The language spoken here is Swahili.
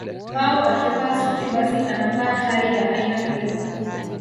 Au akivaa suti basi anavaa tai ya aina hiyo